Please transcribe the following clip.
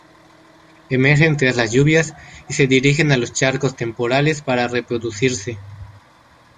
Emergen tras las lluvias y se dirigen a los charcos temporales para reproducirse.